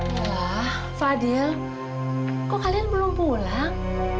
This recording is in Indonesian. yalah fadil kok kalian belum pulang